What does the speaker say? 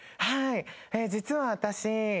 実は私。